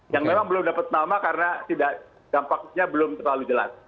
yang memang belum dapat nama karena dampaknya belum terlalu jelas